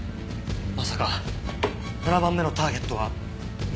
まさか７番目のターゲットは箕輪自身？